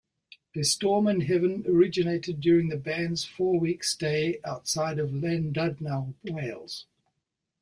"A Storm in Heaven" originated during the band's four-week stay outside of Llandudno, Wales.